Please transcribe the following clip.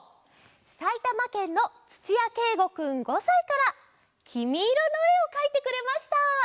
さいたまけんのつちやけいごくん５さいから「きみイロ」のえをかいてくれました。